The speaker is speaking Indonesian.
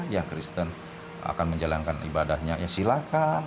yang kristen akan menjalankan ibadahnya silakan